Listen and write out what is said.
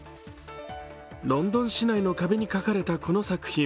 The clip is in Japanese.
ロンドン市内の壁に描かれたこの作品。